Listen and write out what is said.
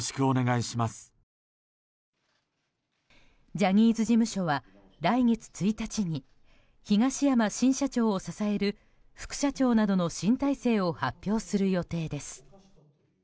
ジャニーズ事務所は来月１日に東山新社長を支える副社長などの新体制を発表する予定です。